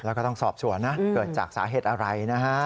แล้วก็ต้องสอบสวนนะเกิดจากสาเหตุอะไรนะฮะ